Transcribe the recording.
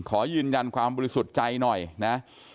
ขอยืนยันความบริสุทธิ์ใจหน่อยนะ